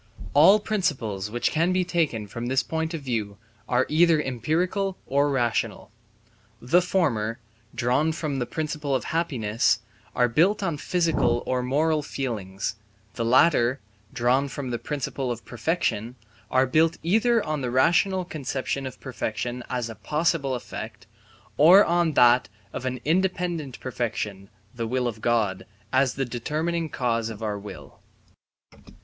All principles which can be taken from this point of view are either empirical or rational. The former, drawn from the principle of happiness, are built on physical or moral feelings; the latter, drawn from the principle of perfection, are built either on the rational conception of perfection as a possible effect, or on that of an independent perfection (the will of God) as the determining cause of our will.